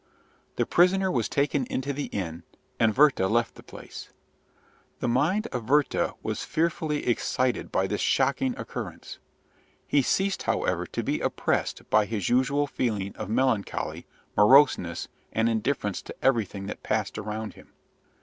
The prisoner was taken into the inn, and Werther left the place. The mind of Werther was fearfully excited by this shocking occurrence. He ceased, however, to be oppressed by his usual feeling of melancholy, moroseness, and indifference to everything that passed around him.